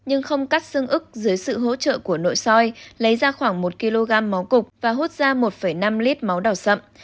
nhưng không cắt xương ức dưới sự hỗ trợ của nội soi lấy ra khoảng một kg máu cục và hút ra một năm lít máu đào sậm